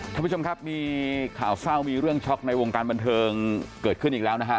ท่านผู้ชมครับมีข่าวเศร้ามีเรื่องช็อกในวงการบันเทิงเกิดขึ้นอีกแล้วนะฮะ